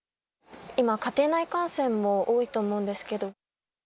今、家庭内感染も多いと思うんですけど？